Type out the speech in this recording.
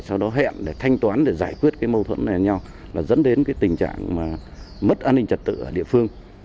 sau đó hẹn để thanh toán để giải quyết cái mâu thuẫn này nhau là dẫn đến cái tình trạng mà mất an ninh trật tự